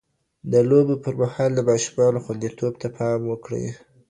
د لوبو پر مهال د ماشومانو خوندیتوب ته پام وکړئ.